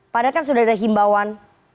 padat kan sudah ada himbauan